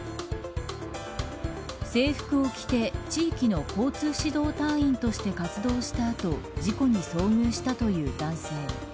制服を着て地域の交通指導隊員として活動した後事故に遭遇したという男性。